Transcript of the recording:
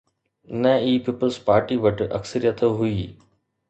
نه ئي پيپلز پارٽي وٽ اڪثريت هئي.